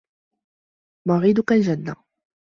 مَوْعِدُك الْجَنَّةُ